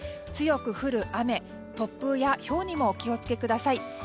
強く降る雨、突風やひょうにもお気を付けください。